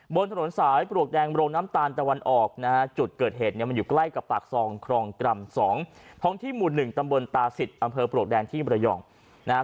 บนถนนสายปลวกแดงโรงน้ำตาลตะวันออกนะฮะจุดเกิดเหตุเนี่ยมันอยู่ใกล้กับปากซองครองกรรม๒ท้องที่หมู่๑ตำบลตาศิษย์อำเภอปลวกแดงที่มรยองนะฮะ